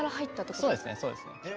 そうですねそうですね。へえ。